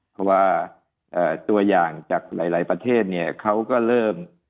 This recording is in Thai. เพราะว่าตัวอย่างจากหลายประเทศเนี่ยเขาก็เริ่ม